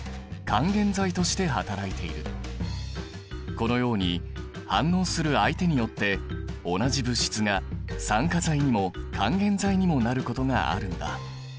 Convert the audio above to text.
このように反応する相手によって同じ物質が酸化剤にも還元剤にもなることがあるんだ。